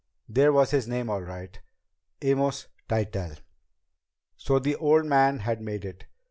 There was his name, all right. Amos Tytell. So the old man had made it!